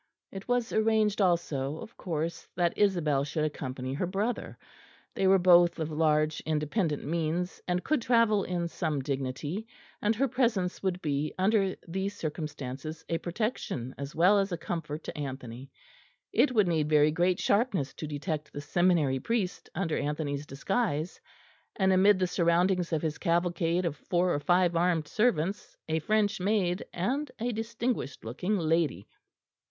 It was arranged also, of course, that Isabel should accompany her brother. They were both of large independent means, and could travel in some dignity; and her presence would be under these circumstances a protection as well as a comfort to Anthony. It would need very great sharpness to detect the seminary priest under Anthony's disguise, and amid the surroundings of his cavalcade of four or five armed servants, a French maid, and a distinguished looking lady.